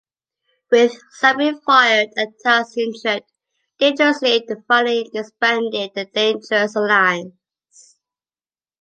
With Sabu fired and Taz injured, Dangerously finally disbanded The Dangerous Alliance.